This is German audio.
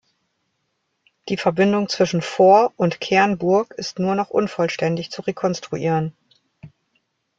Die Verbindung zwischen Vor- und Kernburg ist nur noch unvollständig zu rekonstruieren.